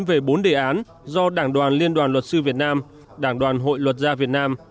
về bốn đề án do đảng đoàn liên đoàn luật sư việt nam đảng đoàn hội luật gia việt nam